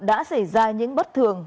đã xảy ra những bất thường